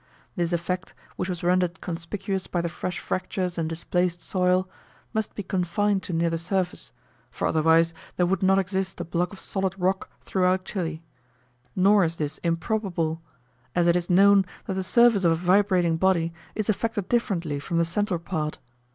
This effect, which was rendered conspicuous by the fresh fractures and displaced soil, must be confined to near the surface, for otherwise there would not exist a block of solid rock throughout Chile; nor is this improbable, as it is known that the surface of a vibrating body is affected differently from the central part.